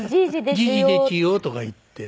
「じぃじでちゅよ」とか言ってね。